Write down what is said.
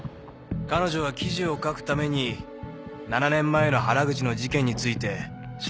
彼女は記事を書くために７年前の原口の事件について調べていると言っていました。